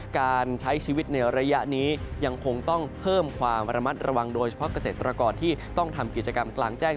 การใช้ชีวิตในระยะนี้ยังคงต้องเพิ่มความระมัดระวังโดยเฉพาะเกษตรกรที่ต้องทำกิจกรรมกลางแจ้ง